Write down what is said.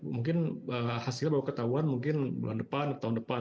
mungkin hasilnya baru ketahuan mungkin bulan depan atau tahun depan